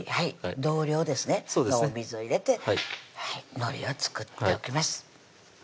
同量ですねお水を入れてのりを作っておきます